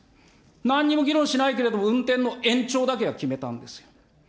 なんにも議論しないけれども、運転の延長だけは決めたんですよ。